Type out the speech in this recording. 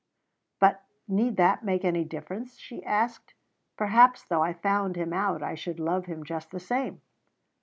"But need that make any difference?" she asked. "Perhaps though I found him out I should love him just the same."